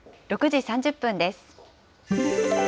６時３０分です。